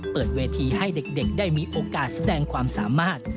เปิดเวทีให้เด็กได้มีโอกาสแสดงความสามารถ